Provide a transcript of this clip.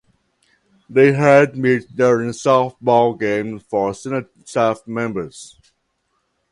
They had met during a softball game for Senate staff members.